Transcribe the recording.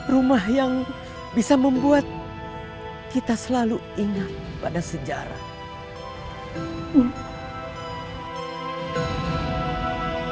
rumah yang bisa membuat kita selalu ingat pada sejarah